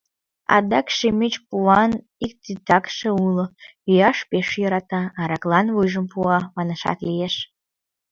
Адак Шемеч куван ик титакше уло: йӱаш пеш йӧрата, аракалан вуйжым пуа, манашат лиеш.